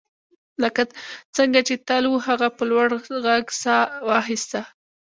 لکه څنګه چې تل وو هغه په لوړ غږ ساه واخیسته